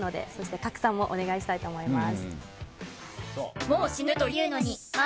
カクサンもお願いしたいと思います。